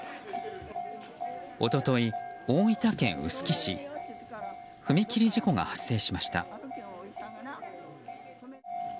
一昨日、大分県臼杵市踏切事故が発生しました。